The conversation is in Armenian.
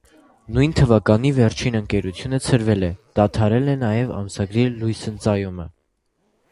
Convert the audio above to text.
Նույն թվականի վերջին ընկերությունը ցրվել է, դադարել է նաև ամսագրի լույսընծայումը։